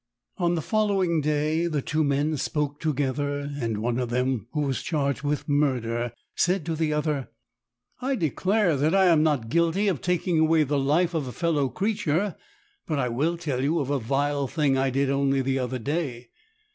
On the following day the two men spoke together, and one of them who was charged with murder said to the other : "I declare that I am not guilty of taking away the life of a fellow creature; but I will tell you of a vile thing I did only the other day.